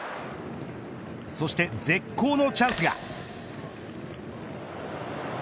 そして、絶好のチャンスが。